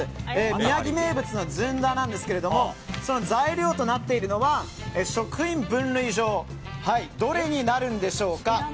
宮城名物のずんだなんですが材料となっているのは食品分類上どれになるでしょうか？